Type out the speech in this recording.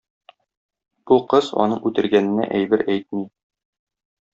Бу кыз аның үтергәненә әйбер әйтми.